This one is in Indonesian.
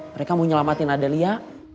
mereka mau nyelamatin adelia